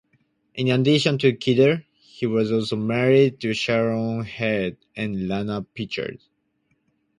In addition to Kidder, he was also married to Sharon Heard and Lana Pritchard.